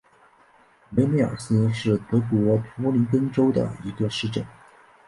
梅梅尔斯是德国图林根州的一个市镇。